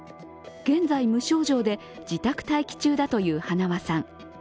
現在、無症状で、自宅待機中だという塙さん。